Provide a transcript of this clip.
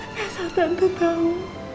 ternyata tante tahu